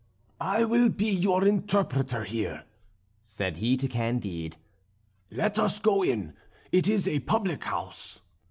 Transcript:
"I will be your interpreter here," said he to Candide; "let us go in, it is a public house."